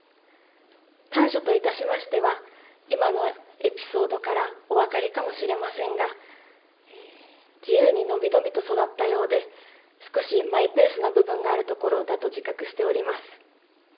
短所といたしましては今のエピソードからお分かりかもしれませんが自由に伸び伸びと育ったようで少しマイペースな部分があるところだと自覚しております。